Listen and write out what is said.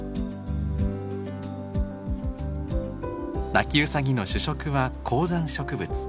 ナキウサギの主食は高山植物。